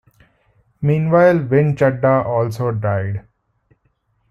Meanwhile Win Chadha also died.